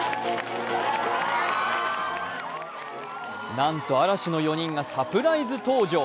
なんと嵐の４人がサプライズ登場。